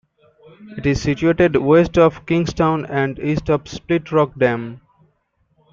It is situated west of Kingstown and east of Split Rock Dam.